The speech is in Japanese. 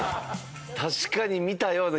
確かに見たような。